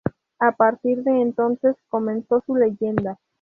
A partir de entonces comenzó su leyenda.